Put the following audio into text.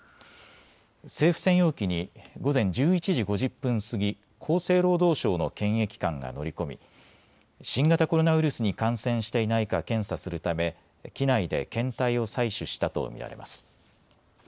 政府専用機に午前１１時５０分過ぎ、厚生労働省の検疫官が乗り込み新型コロナウイルスに感染していないか検査するため機内で検体を採取したと見られます。